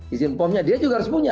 izin bomnya dia juga harus punya